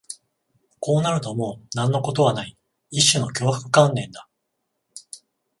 こうなるともう何のことはない、一種の脅迫観念だ